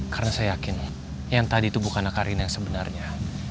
karena saya yakin yang tadi itu bukanlah karina yang sebenarnya